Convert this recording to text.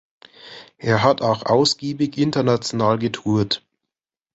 Er hat auch ausgiebig international getourt.